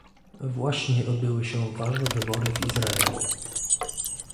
Właśnie odbyły się ważne wybory w Izraelu